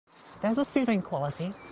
There's a soothing quality.